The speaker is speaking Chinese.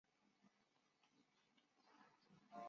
武器包含有两门雷射炮与飞弹。